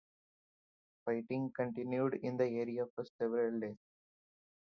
Fighting continued in the area for several days.